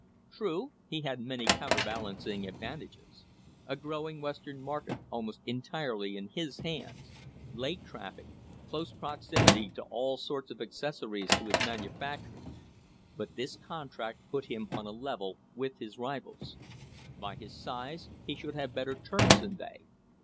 True, he had many counterbalancing advantages — a growing Western market almost entirely in his hands, lake traffic, close proximity to all sorts of accessories to his manufacturing, but this contract put him on a level with his rivals. By his size he should have better terms than they.